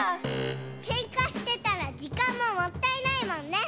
けんかしてたらじかんももったいないもんね。